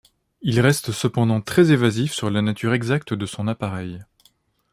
Il reste cependant très évasif sur la nature exacte de son appareil.